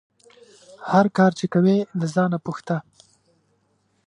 هر کار چې کوې له ځانه پوښته